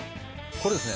これですね